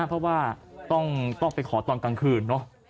เพราะว่าต้องไปขอตอนกลางคืนเนอะ